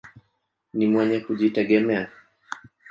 Ni mwenye kujitegemea.